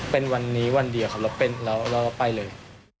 เป็นวันนี้วันเดียวครับเราเป็นแล้วเราก็ไปเลย